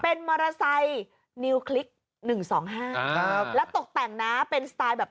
เป็นมอเตอร์ไซค์นิวคลิกหนึ่งสองห้าครับแล้วตกแต่งนะเป็นสไตล์แบบ